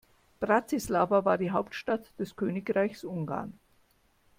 Bratislava war die Hauptstadt des Königreichs Ungarn.